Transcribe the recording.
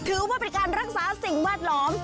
ถือว่าเป็นการรักษาสิ่งแวดล้อม